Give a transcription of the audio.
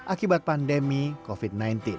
akibat pandemi covid sembilan belas